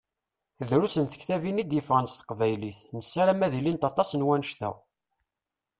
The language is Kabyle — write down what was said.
Drus n tektabin i d-yeffɣen s teqbaylit, nessaram ad ilint aṭas n wannect-a.